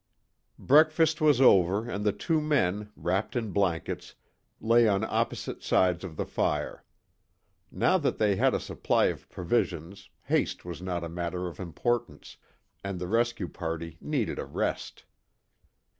Breakfast was over and the two men, wrapped in blankets, lay on opposite sides of the fire. Now that they had a supply of provisions, haste was not a matter of importance, and the rescue party needed a rest.